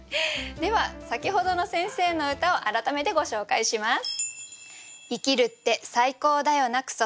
では先ほどの先生の歌を改めてご紹介します。